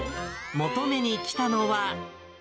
求めに来たのは。